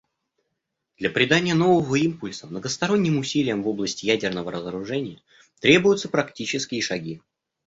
Для придания нового импульса многосторонним усилиям в области ядерного разоружения требуются практические шаги.